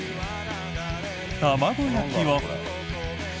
卵焼きを。